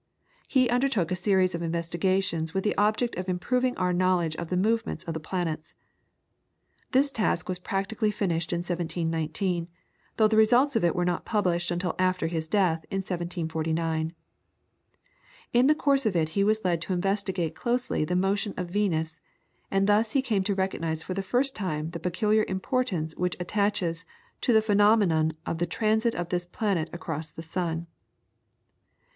He undertook a series of investigations with the object of improving our knowledge of the movements of the planets. This task was practically finished in 1719, though the results of it were not published until after his death in 1749. In the course of it he was led to investigate closely the motion of Venus, and thus he came to recognise for the first time the peculiar importance which attaches to the phenomenon of the transit of this planet across the sun.